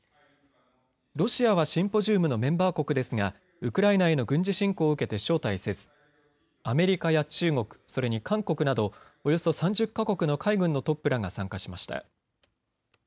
ロシアはシンポジウムのメンバー国ですがウクライナへの軍事侵攻を受けて招待せずアメリカや中国、それに韓国などおよそ３０か国の海軍のトップらが参加しました。